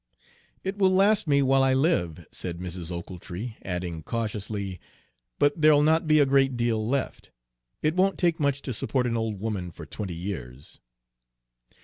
"It will last me while I live," said Mrs. Ochiltree, adding cautiously, "but there'll not be a great deal left. It won't take much to support an old woman for twenty years."